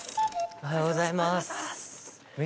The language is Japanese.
おはようございます。